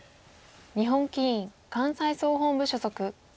日本棋院関西総本部所属。